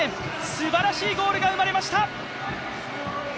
すばらしいゴールが生まれました！